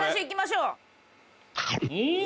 うん！